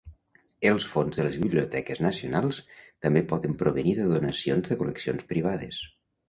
Els fons de les Biblioteques nacionals també poden provenir de donacions de col·leccions privades.